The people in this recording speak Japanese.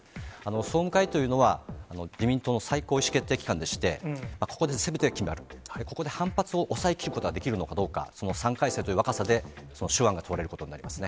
総務会というのは、自民党の最高意思決定機関でして、ここですべて決まる、ここで反発を抑えきることができるのか、３回生という若さで手腕が問われることになりますね。